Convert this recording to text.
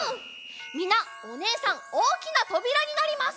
みんなおねえさんおおきなとびらになります。